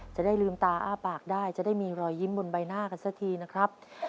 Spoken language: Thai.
จะได้ลืมตาอ้าปากได้จะได้มีรอยยิ้มบนใบหน้ากันสักทีนะครับ